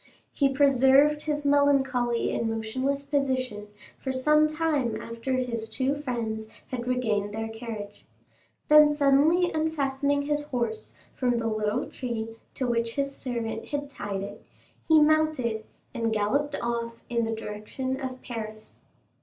He preserved his melancholy and motionless position for some time after his two friends had regained their carriage; then suddenly unfastening his horse from the little tree to which his servant had tied it, he mounted and galloped off in the direction of Paris.